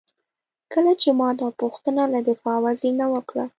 کله چې ما دا پوښتنه له دفاع وزیر نه وکړه.